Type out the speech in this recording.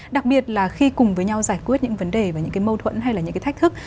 đặc biệt là khi cùng với nhau giải quyết những vấn đề và những cái mâu thuẫn hay là những cái thách thức